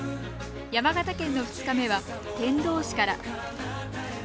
山形県の２日目は天童市から。